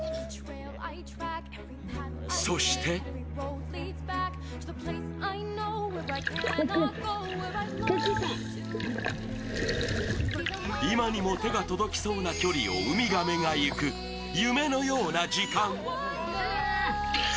そして今にも手が届きそうな距離をウミガメがいく夢のような時間。